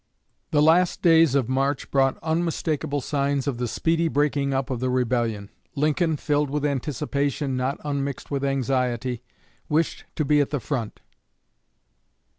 The last days of March brought unmistakable signs of the speedy breaking up of the rebellion. Lincoln, filled with anticipation not unmixed with anxiety, wished to be at the front.